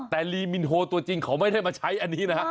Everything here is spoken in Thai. แต่ลีมินโฮตัวจริงเขาไม่ได้มาใช้อันนี้นะฮะ